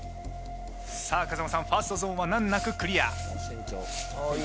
さあ風間さんファーストゾーンは難なくクリア。